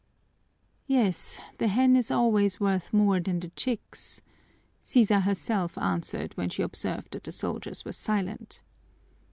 "Yes, the hen is always worth more than the chicks," Sisa herself answered when she observed that the soldiers were silent.